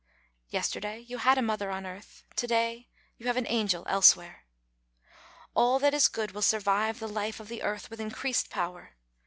Yes terday you had a mother on earth ; to day you have an angel elsewhere. All that is good will survive the life of the earth with increased power.